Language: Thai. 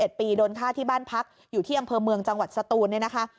โดนฆ่าที่บ้านพักอยู่ที่อำเภอเมืองจังหวัดสตูนเนี่ยนะคะ